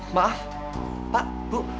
maaf pak bu